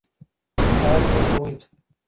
شکایت مه کوئ.